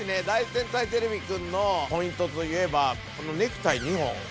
天才てれびくん」のポイントといえばこのネクタイ２本。